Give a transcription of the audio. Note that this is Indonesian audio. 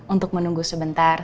untuk menunggu sebentar